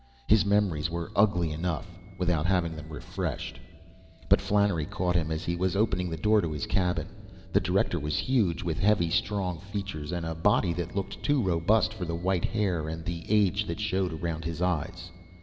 His memories were ugly enough, without having them refreshed. But Flannery caught him as he was opening the door to his cabin. The director was huge, with heavy, strong features and a body that looked too robust for the white hair and the age that showed around his eyes.